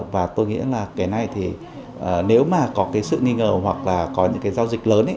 và tôi nghĩ là cái này thì nếu mà có cái sự nghi ngờ hoặc là có những cái giao dịch lớn ấy